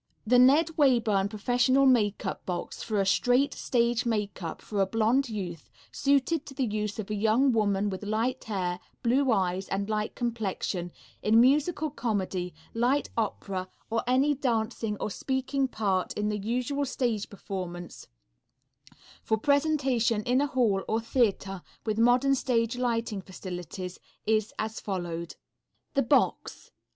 The Ned Wayburn Professional Makeup Box for a "straight" stage makeup for a blonde youth, suited to the use of a young woman with light hair, blue eyes and light complexion, in musical comedy, light opera or any dancing or speaking part in the usual stage performance, for presentation in a hall or theatre, with modern stage lighting facilities, is as follows: _The Box.